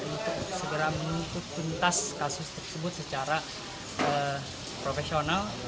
untuk segera menuntut tuntas kasus tersebut secara profesional